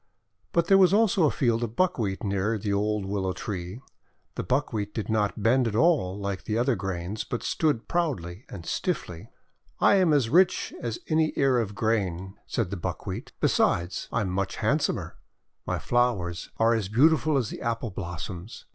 But there was also a field of Buckwheat near the old Willow Tree. The Buckwheat did not bend at all like the other grains, but stood proudly and stiffly. "I am as rich as any ear of grain!" said the 340 THE WONDER GARDEN Buckwheat. "Besides, I am much handsomer! My flowers are as beautiful as the Apple blossoms!